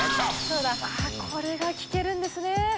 これが聞けるんですね。